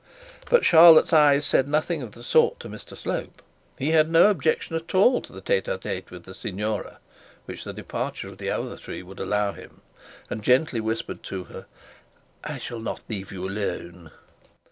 But Charlotte's eyes said nothing of the sort to Mr Slope. He had no objection at all to the tete a tete with the signora, which the departure of the other three would allow him, and gently whispered to her, 'I shall not leave you alone.'